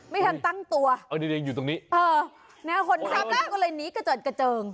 ไม่ทำตั้งตัวอยู่ตรงนี้คนไหนก็เลยหนีกระเจิดกระเจิง